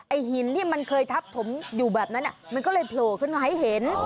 หินที่มันเคยทับถมอยู่แบบนั้นมันก็เลยโผล่ขึ้นมาให้เห็น